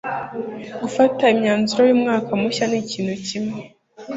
gufata imyanzuro y'umwaka mushya ni ikintu kimwe